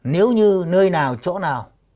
nếu như nơi nào chỗ nào